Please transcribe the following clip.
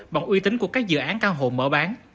bằng uy tín của các dự án cao hồ mở bán